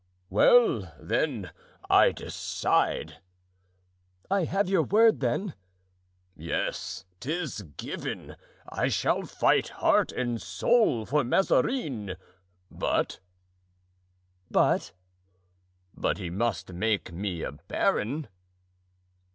"Well, then, I decide." "I have your word, then?" "Yes, 'tis given. I shall fight heart and soul for Mazarin; but——" "But?" "But he must make me a baron."